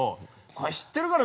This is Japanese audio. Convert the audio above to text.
これ知ってるかな？